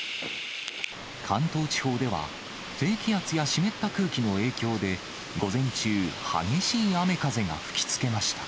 関東地方では低気圧や湿った空気の影響で、午前中、激しい雨風が吹きつけました。